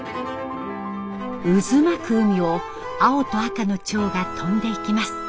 渦巻く海を青と赤のチョウが飛んでいきます。